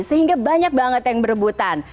sehingga banyak banget yang berebutan